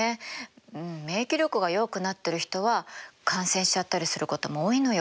うん免疫力が弱くなっている人は感染しちゃったりすることも多いのよ。